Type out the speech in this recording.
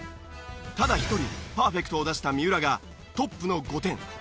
ただ一人パーフェクトを出した三浦がトップの５点。